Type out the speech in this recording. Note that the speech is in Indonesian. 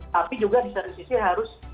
tapi juga di satu sisi harus